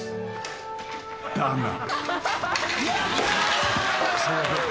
［だが］